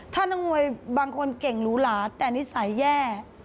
ถ้านักมวยบางคนเก่งหรูหลาแต่นิสัยแย่